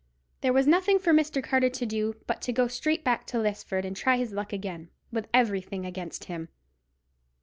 There was nothing for Mr. Carter to do but to go straight back to Lisford, and try his luck again, with everything against him.